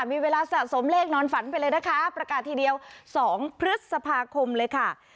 มีเวลาสะสมเลขนอนฝันไปเลยนะคะประกาศทีเดียว๒พฤษภาคมเลยค่ะ